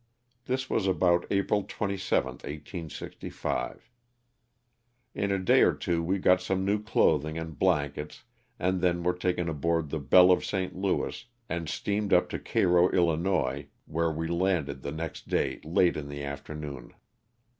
This was about April 27, 1865. In a day or two we got some new cothing and blankets and then were taken aboard the " Belle of St. Louis " and steamed up to Cairo, 111., where we landed the next day late in the afternoon.